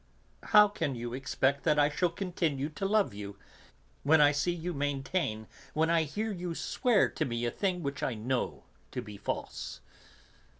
How can you expect that I shall continue to love you, when I see you maintain, when I hear you swear to me a thing which I know to be false?